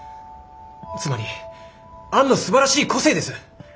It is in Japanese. つまりアンのすばらしい個性です！